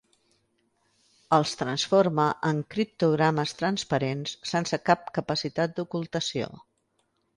Els transforma en criptogrames transparents sense cap capacitat d'ocultació.